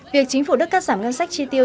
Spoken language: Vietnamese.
việc chính phủ đức cắt giảm ngân sách chi tiêu